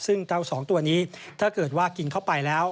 ซึ่งเต้าสองตัวนี้ถ้าเกิดว่ากินเข้าไปแล้ว